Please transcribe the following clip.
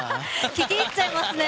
聴き入っちゃいますね。